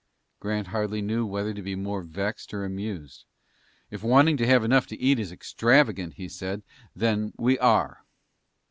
Grant hardly knew whether to be more vexed or amused. "If wanting to have enough to eat is extravagant," he said, "then we are."